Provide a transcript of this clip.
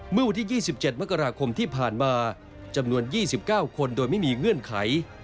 เมื่อวันที่๒๗มกราคมที่ผ่านมาจำนวน๒๙คนโดยไม่มีเงื่อนไข